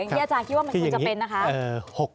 ถ้าจะไม่เกิดการถกเถียงอย่างนี้อาจารย์คิดว่ามันคลิกมันจะเป็นนะคะ